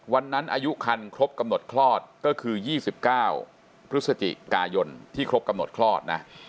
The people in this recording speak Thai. อายุคันครบกำหนดคลอดก็คือ๒๙พฤศจิกายนที่ครบกำหนดคลอดนะ